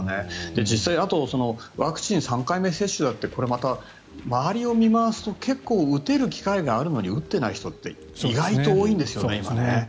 実際にあとワクチン３回目接種だってこれは周りを見回すと結構打てる機会があるのに打ってない人って意外と多いんですよね、今。